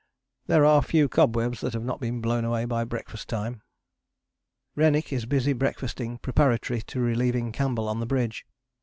There are few cobwebs that have not been blown away by breakfast time. Rennick is busy breakfasting preparatory to relieving Campbell on the bridge.